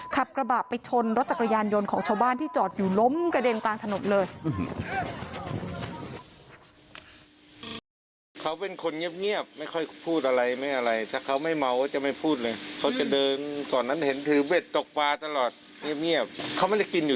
ขับกระบะไปชนรถจักรยานยนต์ของชาวบ้านที่จอดอยู่ล้มกระเด็นกลางถนนเลย